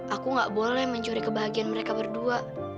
aku gak boleh mencuri kebahagiaan mereka berdua